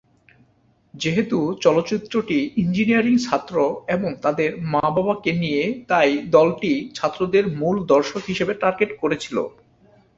যেহেতু চলচ্চিত্রটি ইঞ্জিনিয়ারিং ছাত্র এবং তাদের বাবা-মাকে নিয়ে তাই দলটি ছাত্রদের মূল দর্শক হিসেবে টার্গেট করেছিল।